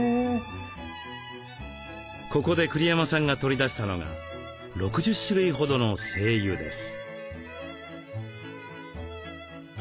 ここで栗山さんが取り出したのが６０種類ほどの精油です。